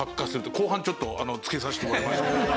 後半ちょっとつけさせてもらいましたけど。